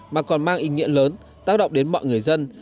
mà còn mang ý nghĩa lớn tác động đến mọi người dân